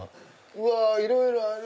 うわいろいろある！